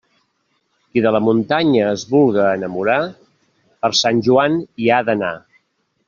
Qui de la muntanya es vulga enamorar, per Sant Joan hi ha d'anar.